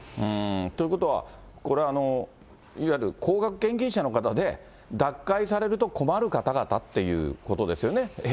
ということは、これ、いわゆる高額献金者の方で、脱会されると困る方々っていうことですよね。